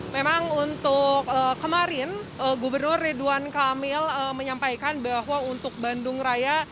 memang untuk kemarin gubernur ridwan kamil menyampaikan bahwa untuk bandung raya